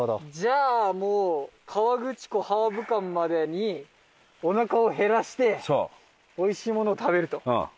じゃあもう河口湖ハーブ館までにおなかをへらしておいしいものを食べると。